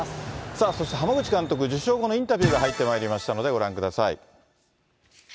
そして、濱口監督、受賞後のインタビューが入ってまいりましたので、ごらんください。